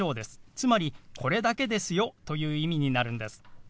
つまり「これだけですよ」という意味になるんです。